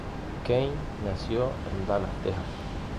Kane nació en Dallas, Texas.